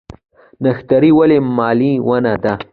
نښتر ولې ملي ونه ده؟